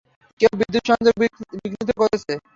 কেউ বিদ্যুৎ সংযোগ বিঘ্নিত করেছে।